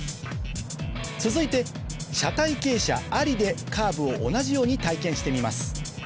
続いて車体傾斜ありでカーブを同じように体験してみます